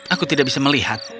aku tidak bisa melihat